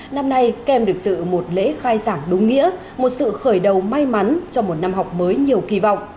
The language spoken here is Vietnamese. năm nay kem được dự một lễ khai giảng đúng nghĩa một sự khởi đầu may mắn cho một năm học mới nhiều kỳ vọng